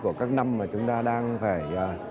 của các năm mà chúng ta đang phải